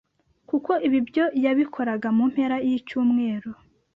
kuko ibi byo yabikoraga mu mpera y'icyumweru.